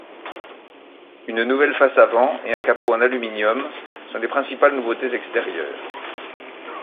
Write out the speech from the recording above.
Une nouvelle face avant et un capot en aluminium sont les principales nouveautés extérieures.